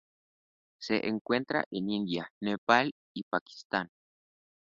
Se encuentra en India, Nepal, y Pakistán.